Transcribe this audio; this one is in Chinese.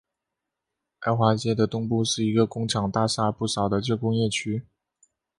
埃华街的东部是一个工厂大厦不少的旧工业区。